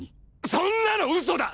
そんなのウソだ！